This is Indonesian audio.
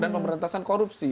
dan pemerintasan korupsi